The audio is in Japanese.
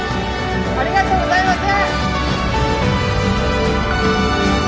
ありがとうございます！